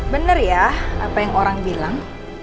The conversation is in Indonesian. benar ya apa yang orang bilang